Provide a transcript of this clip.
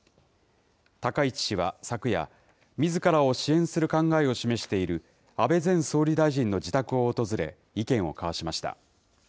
高市氏は昨夜、みずからを支援する考えを示している安倍前総理大臣の自宅を訪れ、意見を交わしました。